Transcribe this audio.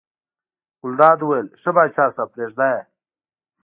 ګلداد وویل ښه پاچا صاحب پرېږده یې.